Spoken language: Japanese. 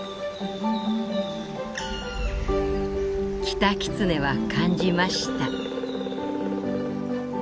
「キタキツネは感じました」。